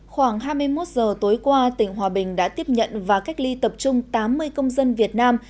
khoảng hai mươi một giờ tối qua tỉnh hòa bình đã tiếp nhận và cách ly tập trung tám mươi công dân việt nam